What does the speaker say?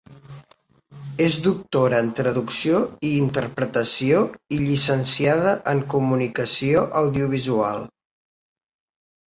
És doctora en traducció i interpretació i llicenciada en comunicació audiovisual.